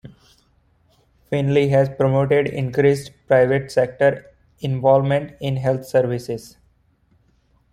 Finley has promoted increased private-sector involvement in health services.